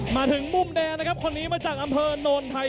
มาถึงมุมแดงนะครับคนนี้มาจากอำเภอโนนไทย